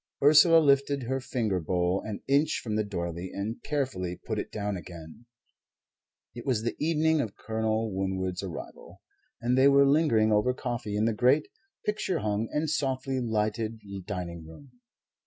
Ursula lifted her finger bowl an inch from the doiley and carefully put it down again. It was the evening of Colonel Winwood's arrival, and they were lingering over coffee in the great, picture hung and softly lighted dining room.